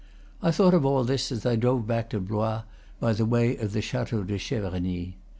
I thought of all this as I drove back to Blois by the way of the Chateau de Cheverny.